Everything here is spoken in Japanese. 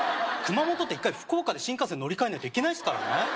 熊本って１回福岡で新幹線乗り換えないと行けないですからね